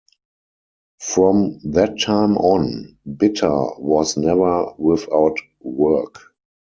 From that time on Bitter was never without work.